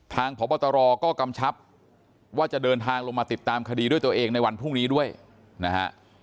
พบตรก็กำชับว่าจะเดินทางลงมาติดตามคดีด้วยตัวเองในวันพรุ่งนี้ด้วยนะฮะ